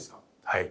はい。